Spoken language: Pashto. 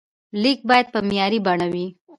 لیک باید په معیاري بڼه وي.